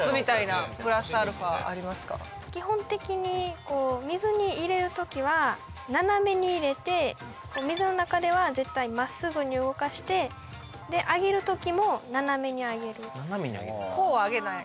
基本的にこう水に入れる時は斜めに入れてこう水の中では絶対真っすぐに動かしてであげる時も斜めにあげる・斜めにあげるこうはあげない？